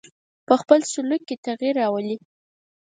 په خپل سلوک کې تغیر راولي.